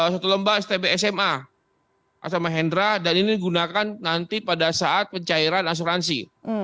satu lembah stb sma asma hendra dan ini digunakan nanti pada saat pencairan asuransi